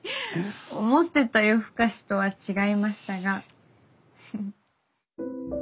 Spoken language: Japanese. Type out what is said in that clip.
思ってた「夜ふかし」とは違いましたが。